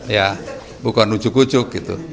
ya bukan ujuk ujuk gitu